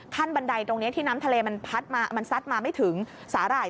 บันไดตรงนี้ที่น้ำทะเลมันพัดมามันซัดมาไม่ถึงสาหร่าย